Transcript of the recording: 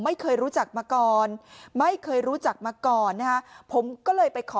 ไม่เคยรู้จักมาก่อนไม่เคยรู้จักมาก่อนนะฮะผมก็เลยไปขอ